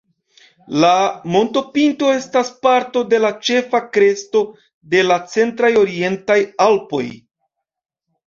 La montopinto estas parto de la ĉefa kresto de la centraj orientaj Alpoj.